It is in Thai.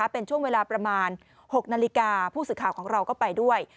เป็นช่วงเวลาประมาณ๖นาฬิกาผู้สื่อข่าวของเราก็ไปด้วย